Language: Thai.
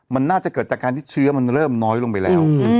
มันน่าจะเกิดจากการที่เชื้อมันเริ่มน้อยลงไปแล้ว